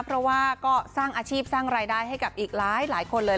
เพราะว่าก็สร้างอาชีพสร้างรายได้ให้กับอีกหลายคนเลย